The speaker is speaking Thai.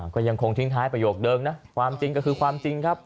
ก็ยังคงทิ้งท้ายประโยคเดิมนะความจริงก็คือความจริงครับ